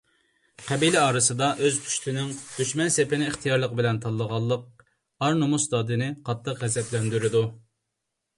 قەبىلە ئارىسىدا ئۆز پۇشتىنىڭ دۈشمەن سېپىنى ئىختىيارلىقى بىلەن تاللىغانلىق ئار - نومۇس دادىنى قاتتىق غەزەپلەندۈرىدۇ.